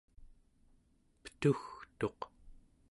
petugtuq